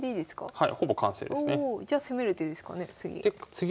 はい。